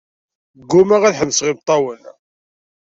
Ggumaɣ ad ḥebseɣ imeṭṭawen.